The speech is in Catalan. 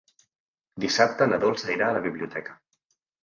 Dissabte na Dolça irà a la biblioteca.